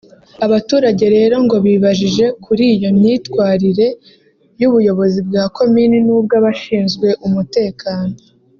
Abaturage rero ngo bibajije kuri iyo myitwarire y’ubuyobozi bwa komini n’ubw’abashinzwe umutekano